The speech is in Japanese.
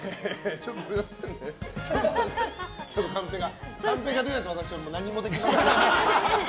ちょっとカンペが出ないと私は何もできません。